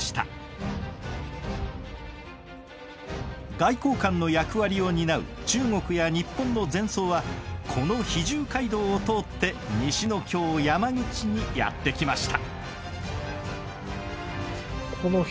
外交官の役割を担う中国や日本の禅僧はこの肥中街道を通って西の京山口にやって来ました。